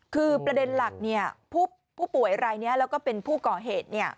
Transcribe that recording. คือประเด็นหลักผู้ป่วยรายนี้แล้วก็เป็นผู้ก่อเหตุ